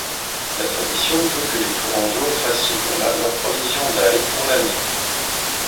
La tradition veut que les Tourangeaux fassent ce jour-là leur provision d'ail pour l'année.